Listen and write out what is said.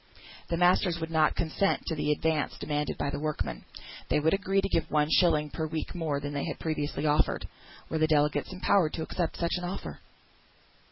The masters could not consent to the advance demanded by the workmen. They would agree to give one shilling per week more than they had previously offered. Were the delegates empowered to accept such offer?